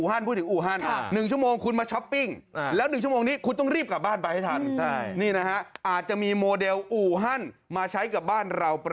อันนี้อู่ฮั่นพูดถึงอู่ฮั่น